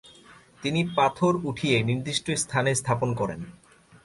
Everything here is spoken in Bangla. তিনি পাথর উঠিয়ে নির্দিষ্ট স্থানে স্থাপন করেন।